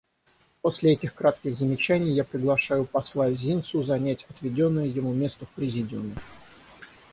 После этих кратких замечаний я приглашаю посла Зинсу занять отведенное ему место в Президиуме.